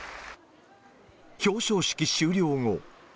表彰式終了後。